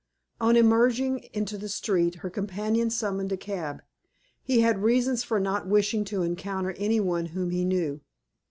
On emerging into the street, her companion summoned a cab. He had reasons for not wishing to encounter any one whom he knew.